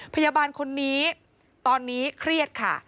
พยาบาลคนนี้ตอนนี้เครียดค่ะ